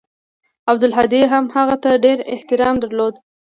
عبدالهادي هم هغه ته ډېر احترام درلود.